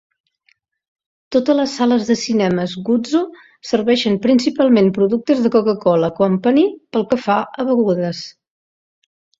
Totes les sales de Cinemas Guzzo serveixen principalment productes de Coca-Cola Company pel que fa a begudes.